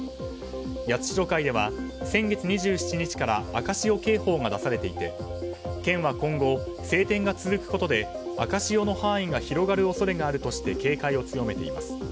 八代海では、先月２７日から赤潮警報が出されていて県は今後、晴天が続くことで赤潮の範囲が広がる恐れがあるとして警戒を強めています。